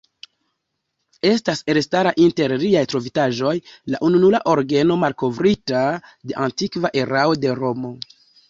Estas elstara inter liaj trovitaĵoj la ununura orgeno malkovrita de antikva erao de Romo.